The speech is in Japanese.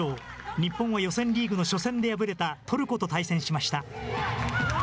日本は予選リーグの初戦で敗れたトルコと対戦しました。